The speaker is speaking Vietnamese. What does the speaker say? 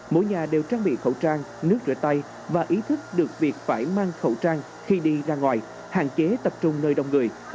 mỗi nhà đều trang bị khẩu trang nước rửa tay và ý thức được việc phải mang khẩu trang khi đi ra ngoài hạn chế tập trung nơi đông người